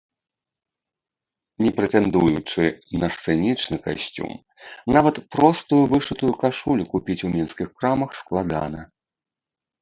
Не прэтэндуючы на сцэнічны касцюм, нават простую вышытую кашулю купіць у мінскіх крамах складана.